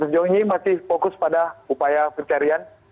sejauh ini masih fokus pada upaya pencarian